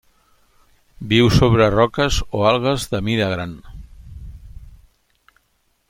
Viu sobre roques o algues de mida gran.